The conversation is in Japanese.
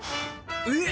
えっ！